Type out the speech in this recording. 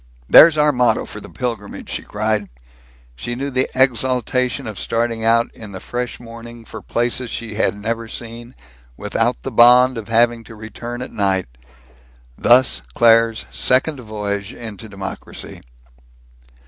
"There's our motto for the pilgrimage!" she cried. She knew the exaltation of starting out in the fresh morning for places she had never seen, without the bond of having to return at night. Thus Claire's second voyage into democracy.